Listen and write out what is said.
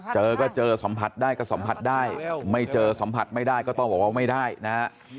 เจอก็เจอสัมผัสได้ก็สัมผัสได้ไม่เจอสัมผัสไม่ได้ก็ต้องบอกว่าไม่ได้นะฮะ